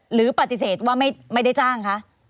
หรือปฏิเสธว่าไม่ได้จ้างคะ